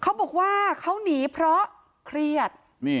เขาบอกว่าเขาหนีเพราะเครียด